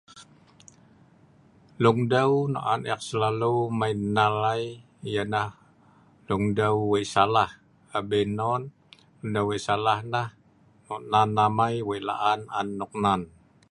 Lungdeu nok an ek selalu(patau) ek mai nnal ai, yah nah dungdeu wei' salah, abin non dungdeu wei salah nah noknen amai wei laan an noknen